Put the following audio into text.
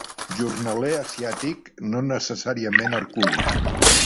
Jornaler asiàtic, no necessàriament herculi.